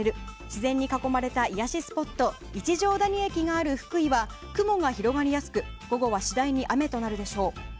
自然に囲まれた癒やしスポット一乗谷駅がある福井は雲が広がりやすく午後は次第に雨となるでしょう。